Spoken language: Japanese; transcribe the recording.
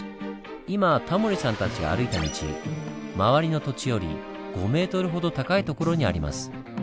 今タモリさんたちが歩いた道周りの土地より５ｍほど高い所にあります。